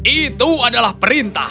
itu adalah perintah